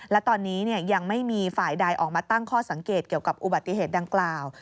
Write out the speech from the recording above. และตอนนี้ยังไม่มีฝ่ายใดออกมาตั้งข้อสังเกตเกี่ยวกับอุบัติเหตุดังกล่าว